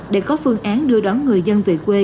để có phương án đưa đón người dân về quê